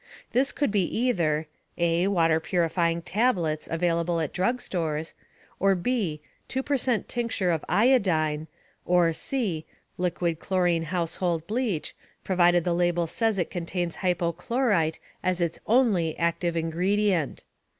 This could be either: (a) water purifying tablets, available at drug stores, or (b) two percent tincture of iodine, or (c) liquid chlorine household bleach, provided the label says that it contains hypochlorite as its only active ingredient.